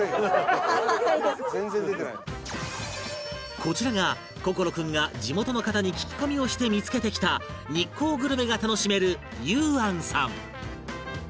こちらが心君が地元の方に聞き込みをして見つけてきた日光グルメが楽しめる勇庵さん